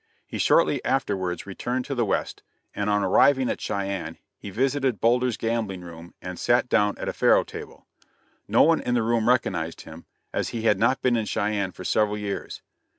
He shortly afterwards returned to the West, and on arriving at Cheyenne, he visited Boulder's gambling room and sat down at a faro table. No one in the room recognized him, as he had not been in Cheyenne for several years.